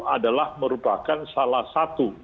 adalah merupakan salah satu